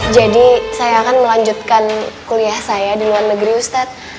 jadi saya akan melanjutkan kuliah saya di luar negeri ustadz